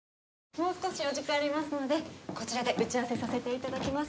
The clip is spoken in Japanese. もう少しお時間ありますのでこちらで打ち合わせさせて頂きます。